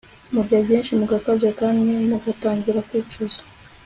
Murya byinshi mugakabya kandi mugatangira kwicuza